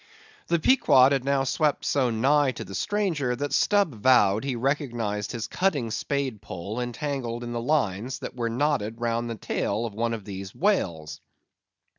The Pequod had now swept so nigh to the stranger, that Stubb vowed he recognised his cutting spade pole entangled in the lines that were knotted round the tail of one of these whales.